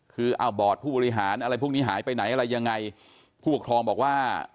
คือเอาบอร์ดผู้บริหารอะไรพวกนี้หายไปไหนอะไรยังไงผู้ปกครองบอกว่า